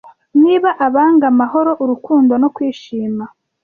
Niba abanga amahoro, urukundo no kwishima,